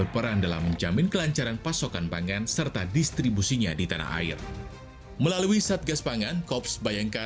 pemulasaraan jenazah korban covid sembilan belas